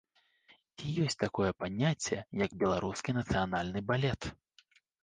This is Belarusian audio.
Ці ёсць такое паняцце, як беларускі нацыянальны балет?